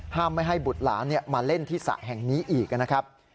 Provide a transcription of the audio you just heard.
ไม่ให้บุตรหลานมาเล่นที่สระแห่งนี้อีกนะครับ